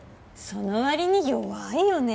そのわりに弱いよね。